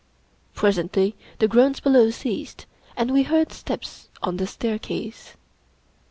Presently, the groans below ceased, and we heard steps on the staircase.